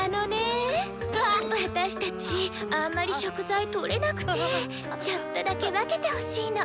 私たちあんまり食材とれなくてちょっとだけ分けてほしいの。